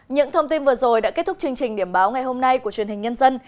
những thông tin vừa rồi đã kết thúc chương trình điểm báo ngày hôm nay của truyền hình nhân dân